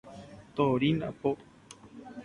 Torín apo.